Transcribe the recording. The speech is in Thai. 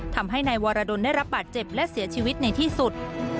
ทำให้นายวรดลได้รับบาดเจ็บและเสียชีวิตในที่สุด